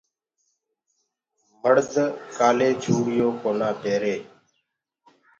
مڙد ڪآلي چوڙيونٚ ڪونآ پيري